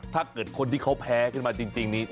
ถ้าเกิดคนที่เขาแพ้ขึ้นมาจริงนี้